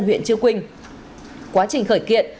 huyện chia quynh quá trình khởi kiện